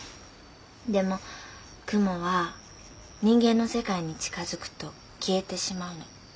でも雲は人間の世界に近づくと消えてしまうの。